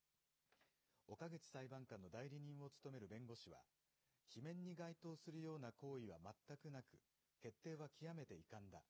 岡口裁判官の代理人を務める弁護士は、罷免に該当するような行為は全くなく、決定は極めて遺憾だ。